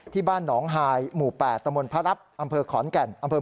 ที่บ้านหนองหายหมู่๘ตมพลัพธ์อำเวอร์เคราะห์ว่าง